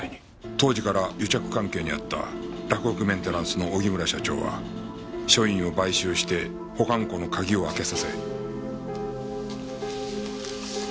当時から癒着関係にあった洛北メンテナンスの荻村社長は署員を買収して保管庫の鍵を開けさせ。